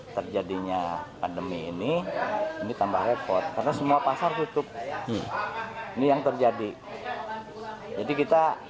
terjadinya pandemi ini ini tambah repot karena semua pasar tutup ini yang terjadi jadi kita